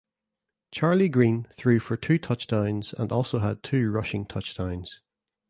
Charlie Green threw for two touchdowns and also had two rushing touchdowns.